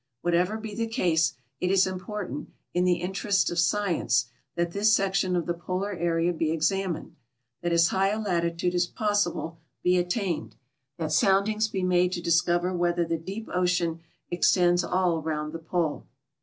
Whatever be the case, it is important, in the interests of science, that this section of the polar area be examined ; that as high a latitude as possible be attained; that soundings be made to discover whether the deep ocean extends all round the Pole.